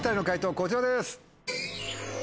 こちらです。